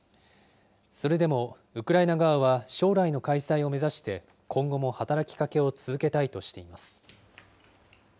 それでもウクライナ側は将来の開催を目指して、今後も働きかけを続けたいとしています。